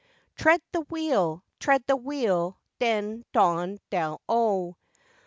Tread the wheel, tread the wheel, den, don, dell O.